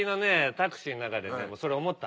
タクシーの中でねそれ思った。